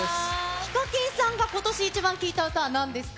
ＨＩＫＡＫＩＮさんが今年イチバン聴いた歌はなんですか。